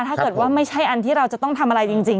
ถ้าเกิดว่าไม่ใช่อันที่เราจะต้องทำอะไรจริง